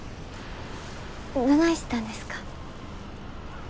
どないしたんですか？